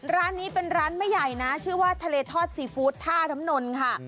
ร้านนี้เป็นร้านไม่ใหญ่นะชื่อว่าทะเลทอดซีฟู้ดท่าน้ำนนค่ะ